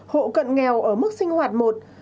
hộ cận nghèo ở mức sinh hoạt một